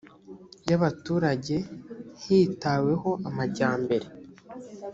y abaturage hitaweho amajyambere